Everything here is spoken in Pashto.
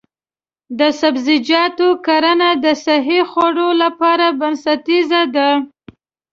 د سبزیجاتو کرنه د صحي خوړو لپاره بنسټیزه ده.